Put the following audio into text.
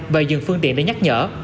và dừng phương tiện để nhắc nhở